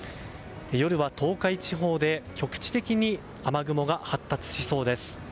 夜は東海地方で局地的に雨雲が発達しそうです。